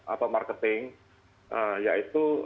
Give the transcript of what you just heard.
atau marketing yaitu